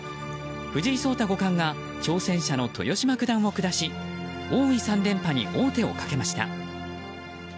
藤井聡太五冠が挑戦者の豊島九段を下し王位３連覇に王手をかけました。